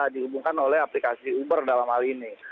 dihubungkan oleh aplikasi uber dalam hal ini